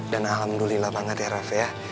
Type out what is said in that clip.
dan alhamdulillah banget ya rev ya